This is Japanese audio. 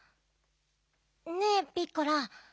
ねえピッコラ。